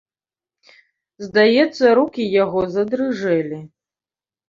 Здаецца, рукі яго задрыжэлі.